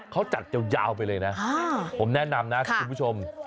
เขาจัดยาวไปเลยนะผมแนะนำนะคุณผู้ชม